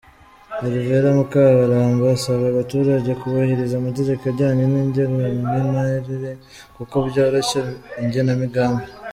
Alvera Mukabaramba asaba abaturage kubahiriza amategeko ajyanye n’irangamimerere kuko byoroshya igenamigambi.